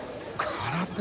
空手？